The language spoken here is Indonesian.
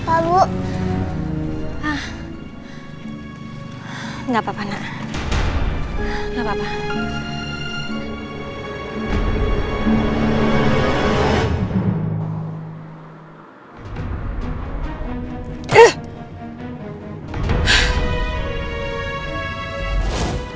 aku akan mencari cherry